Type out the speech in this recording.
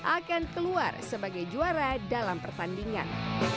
akan keluar sebagai juara dalam pertandingan